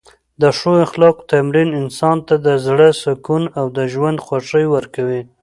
د ښو اخلاقو تمرین انسان ته د زړه سکون او د ژوند خوښۍ ورکوي.